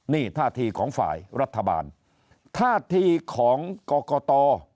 นี่ท่าทีของฝ่ายรัฐบาลท่าทีของกรกต